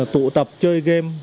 tụ tập chơi game